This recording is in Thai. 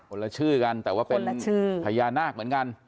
ละชื่อกันแต่ว่าเป็นชื่อพญานาคเหมือนกัน